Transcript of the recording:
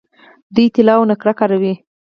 دوی طلا او نقره کاروي.